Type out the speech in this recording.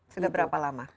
sudah berapa lama